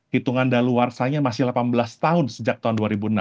hitungan daluarsanya masih delapan belas tahun sejak tahun dua ribu enam